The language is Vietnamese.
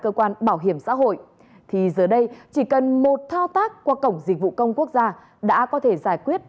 cơ quan bảo hiểm xã hội thì giờ đây chỉ cần một thao tác qua cổng dịch vụ công quốc gia đã có thể giải quyết